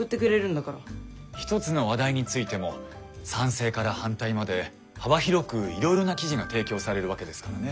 一つの話題についても賛成から反対まで幅広くいろいろな記事が提供されるわけですからね。